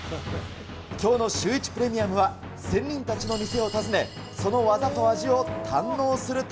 きょうのシューイチプレミアムは、仙人たちの店を訪ね、その技と味を堪能する旅。